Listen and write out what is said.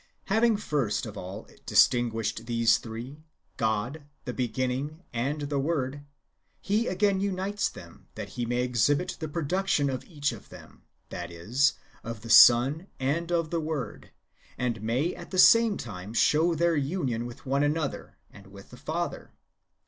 ^ Havincp first of all distino uished these three — God, the Beginning, and the Word — he again unites them, that he may exhibit the production of each of them, that is, of the Son and of the Word, and may at the same time show their union with one another, and with the Father.